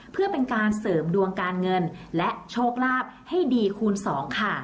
เพื่อเป็นการเสริมดวงการเงินและโชคลาภให้ดีคูณสองค่ะ